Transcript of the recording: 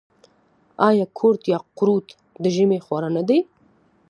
آیا کورت یا قروت د ژمي خواړه نه دي؟